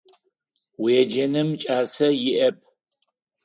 Уеджэным кӏасэ иӏэп.